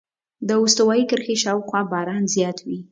د استوایي کرښې شاوخوا باران زیات وي.